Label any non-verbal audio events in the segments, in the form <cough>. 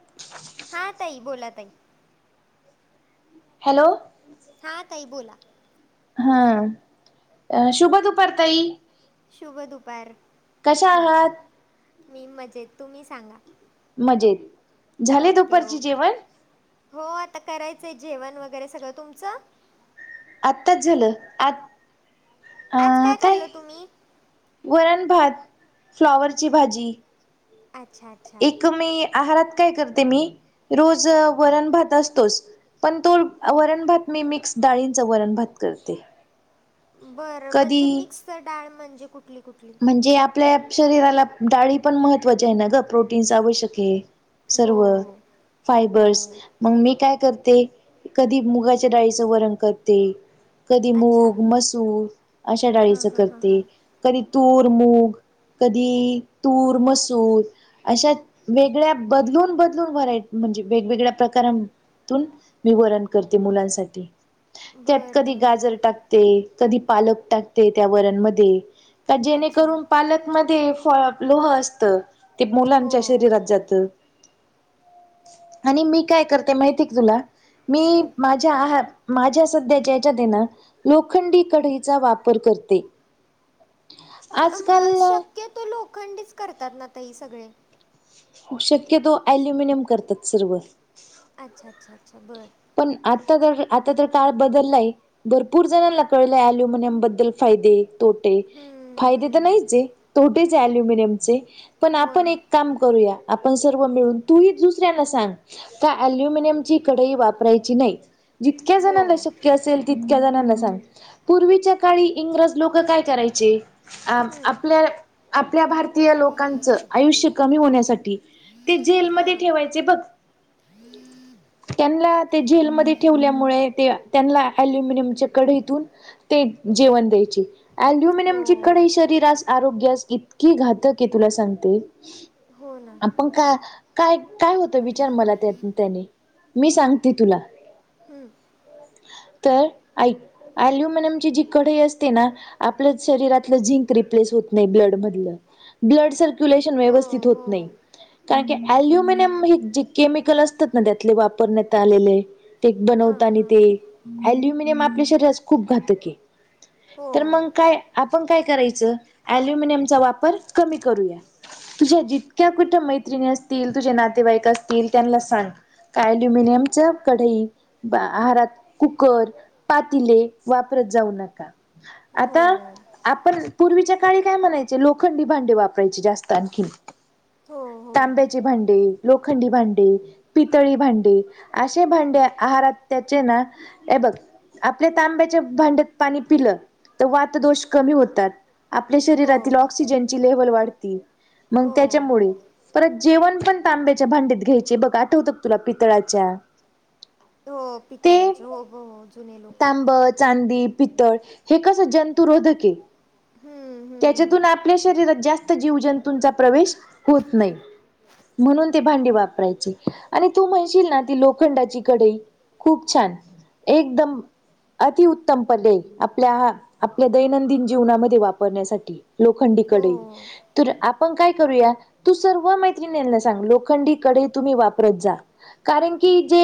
ह <inaudible> हा ताई, बोला ताई. हॅलो, हां ताई बोला. हा, अ शुभ दुपार ताई. शुभ दुपार. कशा आहात? मी मजेत, तुम्ही सांगा. मजेत. झाले दुपरचे जेवण- हो आता करायचंय जेवण, वगैरे सगळं तुमचं- आत्ताच झालं, आ अ काय- वरण-भात, फ्लॉवरची भाजी. अच्छा. एक मी आहारात काय करते, मी रोज वरण-भात असतोच, पण तो- वरण- भात मी मिक्स डाळींचं, वरण- भात करते. बरं, म्हणजे मिक्स डाळ म्हणजे कुठली, कुठली- म्हणजे आपल्या शरीराला डाळी पण महत्त्वाची आहे ना ग, प्रोटीन्स आवश्यक आहे. सर्व फायबर्स, मग मी काय करते, - कधी मुगाच्या डाळीचं वरण करते, कधी मूग, मसूर अशा डाळीच करते, कधी तूर, मूग- कधी तूर, मसूर- अशा वेगळ्या बदलून - बदलून वराय म्हणजे वेगवेगळ्या प्रकार- मी वरण करते मुलांसाठी. त्यात कधी गाजर टाकते, कधी पालक टाकते. त्या वरणमध्ये- का जेणेकरून पालकमध्ये फळ लोह असत, ते मुलांच्या शरीरात जातं. आणि मी काय करते, माहिती का तुला मी माझ- माझ्या आहार माझ्या सध्या ज्याच्यात हेना लोखंडी कढईचा वापर करते. शक्यतो लोखंडीच करतात ना आता ह सगळे- शक्यतो ॲल्युमिनियम करतात सर्व. अच्छा -अच्छ -अछा बरं. पण आता आता तर काळ बदलला आहे. भरपूर जणांना कळलंय अल्युमिनियम बद्दल फायदे. तोटे फायदे तर नाहीच तोटेच अल्युमिनियमचे पण आपण एक. काम करूया आपण सर्व मिळून तूही दुसऱ्यांना सांग का अल्युमिनियम ची कडई वापर. रा नाही जितक्या जणना शक्य असेल तितक्या जणांना सांग. पूर्वीच्या काळी इंग्रज लोक काय करायचे. अ आपल्या आपल्या भारतीय लोकांचं आयुष्य कमी होण्यासाठी. ते जेलमध्येध्ये ठेवायचे बघ त्यांना. ते जेलमध्ये ठेवल्यामुळे ते त्यांना अल्युमिनियमच्या कढतून. ते जेवण द्यायचे. अल्युमिनियमची कडे शरीरास आरोग्यास इतकी घातक आहे तुला सांगते. हो ना. आपण का काय काय होतं विचार मला त्याने मी सांग. ती तुला तर ऐक. अल्युमनियम ची जी कढई असते ना? आपलंच शरीरातलं झिंक रिप्लेस होत नाही ब्लड मधलं ब्लड सर. <inaudible> व्यवस्थित होत नाही. कारण की अल्युमिनियम हे जे केमिकल असतात ना, त्यातले वापरण्यात आलेले. तेक बनवत आणि ते अल्युमिनियम आपल्या शरीरास खूप घातक आहे. तर मग काय आपण काय करायचं? अल्युमिनियमचा वापर कमी करूया. तुझ्या जितक्या कुठ्या मैत्रिणी असतील तुझे नातेवाईक असतील त्यांना सांग. का ॲल्युमियम. जर कडई आहारात कुकर पातीले वापरत जाऊ नका. आता? आपण पूर्वीच्या काळी काय म्हणायचे? लोखंडी भांडे वापरायचे जास्त आणखी. तांब्याची भांडी, लोखंडी भांडी, पितळी भांडी. असे भांडे आहारात त्याचे ना? हे बघ. आपल्या तांब्याच्या भांड्यात पाणी पिलं तर वातदोष कमी होतात. आपल्या शरीरातील ऑक्सिजनची लेव्हल वाढते मग त्याच्यामुळे. परत जेवण पण तांब्याच्या भांड्यात घ्यायचे बघ, आठवतं का तुला? पितळाच्या. हो पितळाच्या, हो हो जुने. तांबे, चांदी, पितळ हे कसं जंतुरोधके. त्याच्यातून आपल्या शरीरात जास्त जीवजंतूंचा प्रवेश होत नाही. म्हणून ती भांडी वापरायची, आणि तू म्हणशील ना ती लोखंडाची कडई? खूप छान एकदम. अतिउत्तम पदे आपल्या, आपल्या दैनंदिन जीवनामध्ये वापर. होण्यासाठी लोखंडी कढई. तर आपण काय करूया? तू सर्व मैत्रिणीना सांग लोखंडी कढई तुम्ही वापरत जा. कारण की जे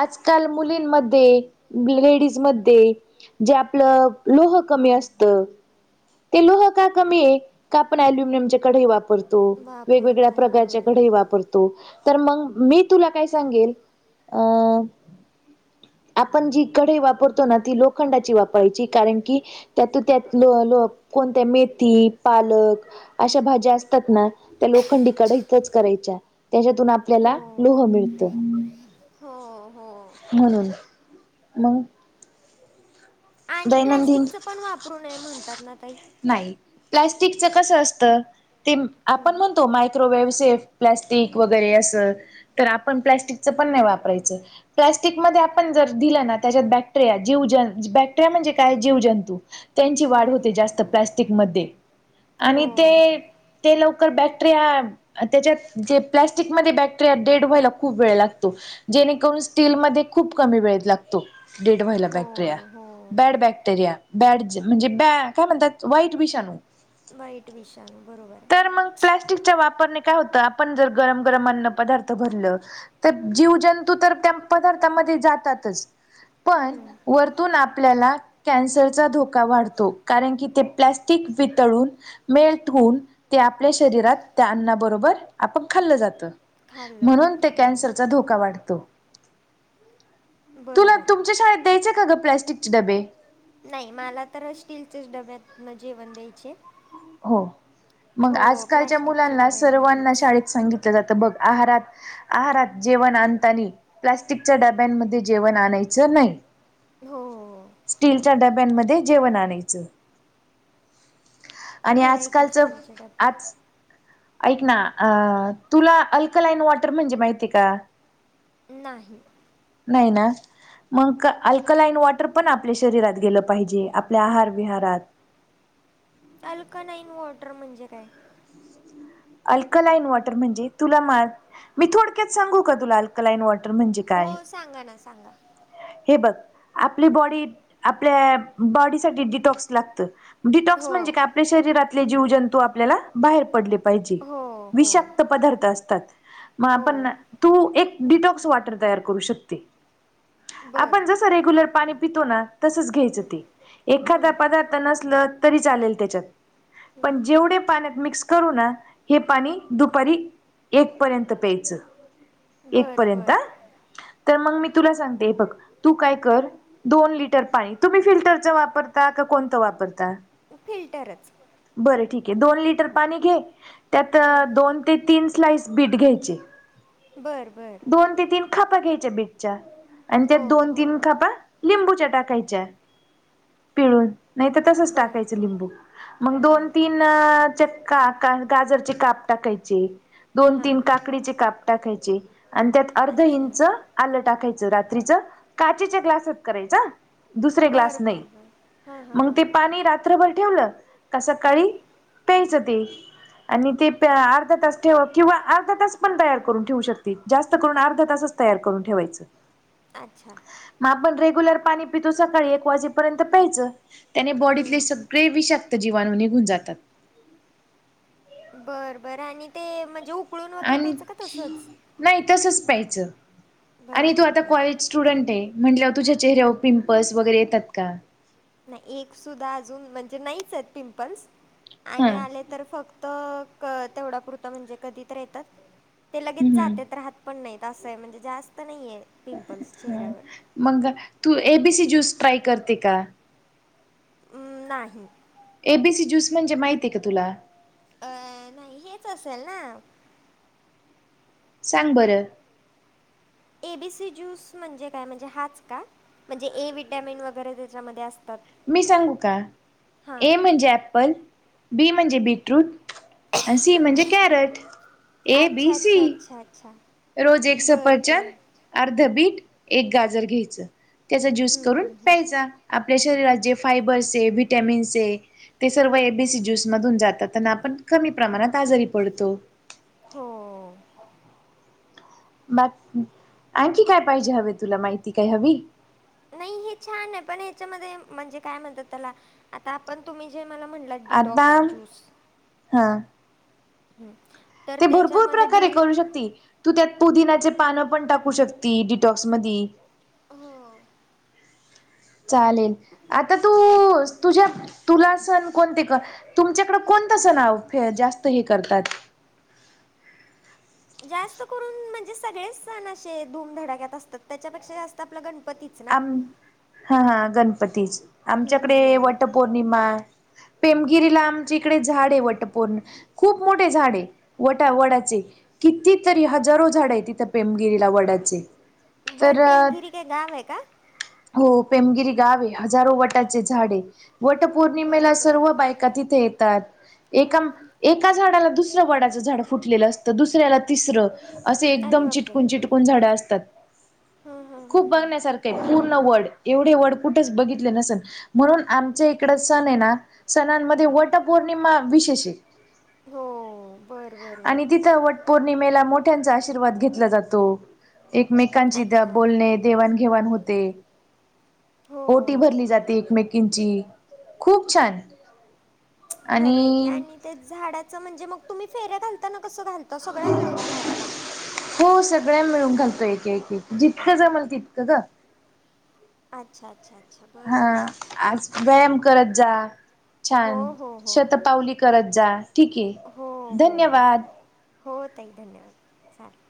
आजकाल मुलींमध्ये, लेडीजमध्ये. जे आपलं लोह कमी असत. ते लोह का कमी आहे? का आपण अल्युमिनियमची कढई वापरतो. तो वेगवेगळ्या प्रकारच्या कढई वापरतो. तो तर मग, मी तुला काय सांगेल? अ. आपण जी कढई वापरतो ना? ती लोखंडाची वापरायची, कारण की त्यात त्यात ल लो कोणत्या मेथी, पालक. अश्या भाज्या असतात ना? त्या लोखंडी कढईतच करायच्या. त्याच्यातून आपल्याला लोह मिळत. हो हो. म्हणून मग? प्लॅस्टिकचं पण वापरू नय म्हणतात ना ताई? नाही, प्लॅस्टिकच कसं असतं? ते आपण म्हणतो मायक्रोवेव्हससे प्लॅस्टिक वगैरे असं. तर आपण प्लाॅस्टिकचं पण नाही वापरायचं. प्लॅस्टिक मध्ये आपण जर दिलं ना? त्याच्यात बॅक्टेरिया, जीव जण बॅक्टेरिया म्हणजे काय जीव जंतू. त्यांची वाढ होते जास्त प्लॅस्टिकमध्ये, आणि ते? ते लवकर बॅक्टेरिया? त्याच्यात जे प्लॅस्टिकमध्ये बॅक्टेरिया डेड व्हायला खूप वेळ लागतो. जेणेकरून स्टीलमध्ये खूप कमी वेळेत लागतो डेड व्हायला बॅक्टेरिया. बॅड बॅक्टेरिया बॅड म्हणजे बॅ काय म्हणतात? वाईट विषाणू. वाईट विषाणू बरोबर आहे. मग प्लास्टिकच्या वापरने काय होत आपण जर गरम गरम अन्न पदार्थ भरलं तर जीवजंतू तर त्या पदार्थामध्ये जातातच. पण वरतून आपल्याला कॅन्सरचा धोका वाढतो. कारण की ते प्लास्टीक वितळून मेल्ट होऊन ते आपल्या शरीरात त्या अन्नाबरोबर आपण खाल्लं जातं. म्हणून ते कॅन्सरचा धोका वाढतो. तुला तुमच्या शाळेत द्यायचं का ग प्लाॅस्टिकचे डबे? नाही मला तर स्टीलचेच डब्यात जेवण द्यायचे. हो मग आजकालच्या मुलांना सर्वांना शाळेत सांगितलं जातं बघ आहारात आहारात जेवण आणताना प्लास्टिकच्या डब्यांमध्ये जेवण आणायचं नाही. हो. डब्यांमध्ये जेवण आणायचं. आणि आजकालचं आज ऐक ना अ तुला अल्कलाईन वॉटर म्हणजे माहितीय का? नाही. नाही ना. मग अल्कलाइन वॉटर पण आपल्या शरीरात गेलं पाहिजे आपल्या आहार विहारात. अल्कलाइन वॉटर म्हणजे काय? अल्कलाइन वॉटर म्हणजे तुला मी थोडक्यात सांगू का तुला अल्कलाइन वॉटर म्हणजे? हो सांगा ना सांगा. हे बघ आपली बॉडी आपल्या बॉडीसाठी डिटॉक्स लागत. डिटॉक्स म्हणजे का आपल्या शरीरातले जीव जंतू आपल्याला बाहेर पडले विक्त पदार्थ अस मग आपण तू एक डिटॉक्स वॉटर तयार करू शकते. आपण जसं रेग्युलर पाणी पितो ना तसच घ्यायचं ते एखादा पदार्थ नसल तरी चालेल त्याच्यात पण जेवढ्या पाण्यात मिक्स करू ना हे पाणी दुपारी एक पर्यंत प्यायचं. एक पर्यंत तर मग मी तुला सांगते बघ तू काय कर दोन लिटर पाणी तुम्ही फिल्टरचं वापरता का कोणतं वापरता? फिल्टरच. बरं ठीक आहे दोन लिटर पाणी घे. त्यात दोन ते तीन स्लाइस बीट घ्यायचे. बरं बरं. दोन ते तीन खापा घ्यायच्या बीटच्या आणि त्या दोन तीन खापा लिंबूच्या टाकायच्या पिळून नाही तर तसच टाकायचं लिंबू मग दोन तीन चक्का गाजर काप टाकायचे दोन तीन काकडीचे काप टाकायचे आणि त्यात अर्ध इंच आलं टाकायचं रात्रीच काचेच्या ग्लासच करायचा दुसरे ग्लास नाही मग ते पाणी रात्रभर ठेवलं का सकाळी प्यायचं ते आणि ते अर्धा तास ठेवा किंवा अर्धा तास पण तयार करून ठेवू शकते जास्त करून अर्धा तासच तयार करून ठेवायच. अच्छा. मग आपण रेग्युलर पाणी पितो सकाळी एक वाजेपर्यंत प्यायचं. त्याने बॉडीतले सगळे विषाक्त जीवानून निघून जातात. बरं, बर आणि ते म्हणजे उकळून वगैरे प्यायचं का तसंच नाही तसच प्यायचं आणि तू आता कॉलेज स्टुडंट आहे, म्हटल्यावर तुझ्या चेह्यावर पिंपल्स वगैरे येतात का? नाही एक सुद्धा अजून म्हणजे नाहीच आहेत पिंपल्स आणि आले तर फक्त त क तेवढा पुरता म्हणजे कधीत तर येतात ते लगेच जातेत राहात पण नाही. तस आहे म्हणजे जास्त नाहीये. ह मग तू A B C juice try करते का? नाही. ए, बी, सी ज्यूस म्हणजे माहिती आहे का तुला? अ नाही हेच असेल ना सांग बरं? ए बी सी ज्यूस म्हणजे काय म्हणजे हाच का? म्हणजे ए विटॅमिन वगैरे त्याच्यामध्ये असतात. मी सांगू का ए म्हणजे ॲपल. बी म्हणजे बीटरूट आणि सी म्हणजे कॅरेट. अच्छा, अच्छा, अच्छा, अच्छा. रोज एक सफरचंद, अर्ध बीट, एक गाजर घ्यायचं. त्याचा ज्यूस करून प्यायचा आपल्या शरीरात जे फायबर्स आहे, विटामिन्स आहे. ते सर्व ए बी सी ज्यूस मधून जातात त्यांना आपण कमी प्रमाणात आजारी पडतो. हो. बा आणखी काय पाहिजे हवे तुला माहिती काय हवी? नाही हे छान आहे, पण हच्यामध्ये म्हणजे काय म्हणतात त्याला आता आपण तुम्ही जे मला म्हणलात आता हा.. हम्म. ते भरपूर प्रकारे करू शकती. तू त्यात पुदिनाचे पानं पण टाकू शकती, डिटॉक्स मधी. हो. चालेल, आता तू तुझ्या तुला सण कोणते तुमच्याकडे कोणता सण जास्त हे करतात. जास्त करून म्हणजे सगळेच सण असे धूमधडाक्यात असतात त्याच्यापेक्षा जात ते आपल गणपतीच ना. हा हा गणपतीच आमच्याकडे वटपौर्णिमा पेमगिरीला आमच्या इकडे झाड आहे वटपौर्णि खूप मोठे झाडे आहे, वटा वडाचे. किती तरी हजारो झाड आहेत, तिथं पेमगिरीला वडाचे. बरं पेमगिरी काय गाव आहे का? हो पेमगिरी गाव आहे, हजारो वटाचे झाड आहे. वट पौर्णिमेला सर्व बायका तिथे येतात. एका, एका झाडाला दुसरं वडाचं झाड फुटलेलं असतं दुसऱ्याला तिसर. असे एकदम चिटकून, चिटकून झाड असतात खूप बघण्यासारख पूर्ण वड एवढे वड कुठेच बघितले नसल. म्हणून आमच्या इकड सण आहे ना सणांमध्ये वट पौर्णिमा विशेष आहे. आणि तिथं वट पौर्णिमेला मोठ्यांचा आशीर्वाद घेतला जातो. एकमेकांची द बोलणे देवाणघेवाण होते. ओटी भरली जाते एकमेकींची, खूप छान. खरं आहे की आणि ते झाडाच म्हणजे मग तुम्ही फेऱ्या घालताना कसं <inaudible> घालता <inaudible> आता सगळ्या मिळून झाडाला. हो सगळ्या मिळून घालतो एक, एक जितकं जमल तितकं <inaudible> ग हा.. आज व्यायाम करत जा. छान शतपावली करत जा ठीक <inaudible> आहे धन्यवाद. हो तई धन्यवाद <inaudible> चालेल